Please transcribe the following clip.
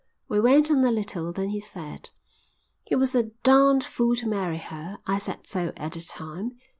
We went on a little. Then he said: "He was a darned fool to marry her. I said so at the time.